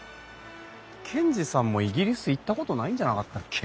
賢治さんもイギリス行ったことないんじゃなかったっけ？